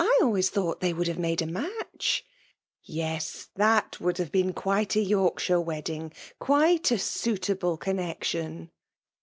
—"/ always thought they would have made a match V —" Yes ! IhfA would have been quite a Yorkshire wedding — quite a suitable connexion